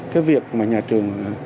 cái việc mà nhà trường